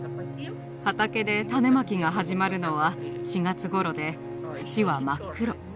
畑で種まきが始まるのは４月頃で土は真っ黒。